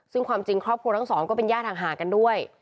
ซึ่งความจริงครอบครัวทั้งสองก็เป็นญาติห่างกันด้วย